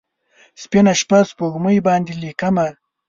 سپینه شپه، سپوږمۍ باندې لیکمه